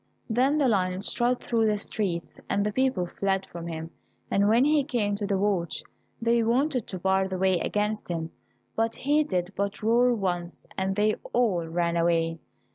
Then the lion strode through the streets, and the people fled from him, and when he came to the watch, they wanted to bar the way against him, but he did but roar once, and they all ran away.